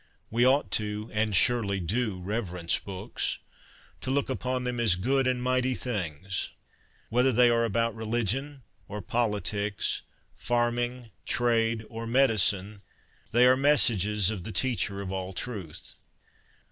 ... We ought to 137 K I38 CONFESSIONS OF A BOOK LOVER (and surely do) reverence books, to look upon them as good and mighty things. Whether they are about religion or politics, farming, trade, or medicine, they are messages of the Teacher of all truth.'